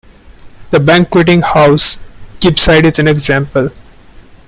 The Banqueting House, Gibside is an example.